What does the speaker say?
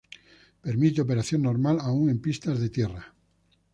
Permite operación normal aun en pistas de tierra.